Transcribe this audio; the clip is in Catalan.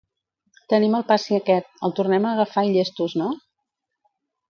Tenim el passi aquest, el tornem a agafar i llestos, no?